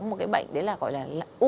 một cái bệnh đấy là gọi là